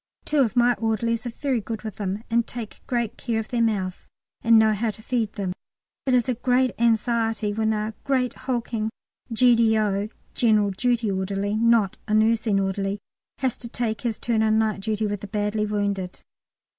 Two of my orderlies are very good with them, and take great care of their mouths, and know how to feed them. It is a great anxiety when a great hulking G.D.O. (General Duty Orderly, not a Nursing Orderly) has to take his turn on night duty with the badly wounded.